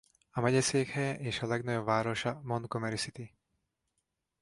Megyeszékhelye és legnagyobb városa Montgomery City.